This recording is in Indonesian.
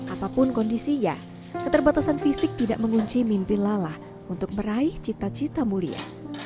apapun kondisinya keterbatasan fisik tidak mengunci mimpi lala untuk meraih cita cita mulia